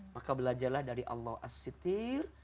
maka belajarlah dari allah as sitir